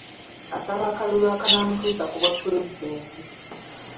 Asaba akalulu akanaamutuusa ku bwapulezidenti.